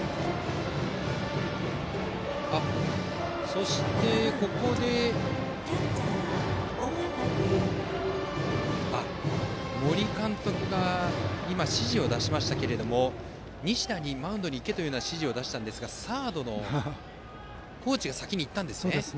そして、ここで森監督が指示を出しましたが西田にマウンドに行けという指示を出したんですがサードの河内が先に行ったんですね。